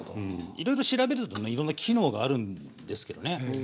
いろいろ調べるとねいろんな機能があるんですけどね。